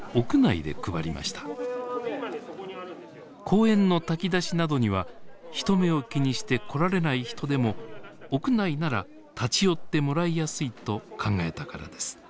公園の炊き出しなどには人目を気にして来られない人でも屋内なら立ち寄ってもらいやすいと考えたからです。